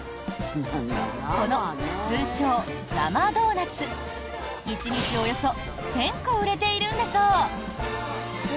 この通称・生ドーナツ１日およそ１０００個売れているんだそう。